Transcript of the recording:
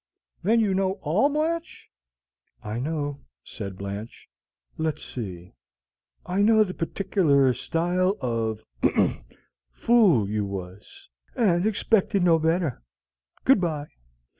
"Then you know all, Blanche?" "I know," said Blanche, "let's see I know the partiklar style of ahem! fool you was, and expected no better. Good by."